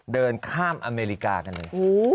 เดินข้ามอเมริกากันเลย